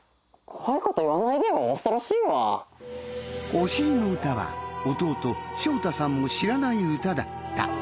お尻の歌は弟章太さんも知らない歌だった。